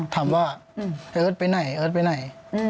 ถามว่าเอิร์ทไปไหนเอิร์ทไปไหน